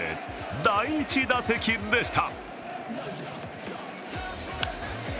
第１打席でした。